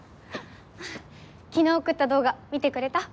昨日送った動画見てくれた？